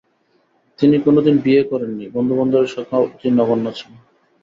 তিনি কোনদিন বিয়ে করেননি, বন্ধুবান্ধবের সংখ্যাও অতি নগণ্য ছিল।